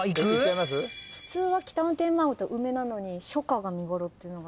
普通は北野天満宮って梅なのに「初夏が見頃」っていうのが。